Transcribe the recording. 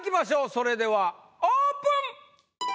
それではオープン！